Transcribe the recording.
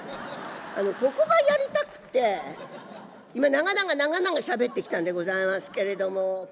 ここがやりたくって今長々長々しゃべってきたんでございますけれども。